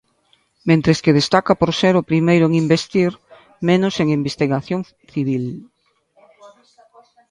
Mentres que destaca por ser o primeiro en investir menos en investigación civil.